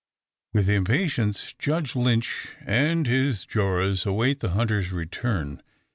With impatience Judge Lynch and his jurors await the hunter's return.